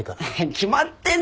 決まってんだよ！